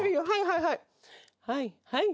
「はいはいはいはい」